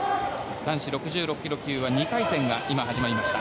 男子６６ｋｇ級は２回戦が今、始まりました。